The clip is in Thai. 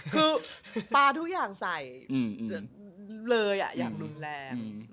คือปลาทุกอย่างใส่เลยอย่างรุนแรง